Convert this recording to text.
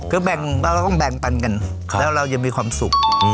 คือเราต้องแบ่งปันกันแล้วเราจะมีความสุข